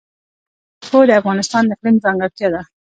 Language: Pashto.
د افغانستان جلکو د افغانستان د اقلیم ځانګړتیا ده.